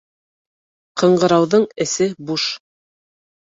Ҡыңғырауҙың эсе буш.